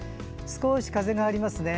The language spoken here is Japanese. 少し風がありますね。